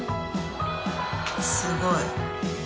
すごい。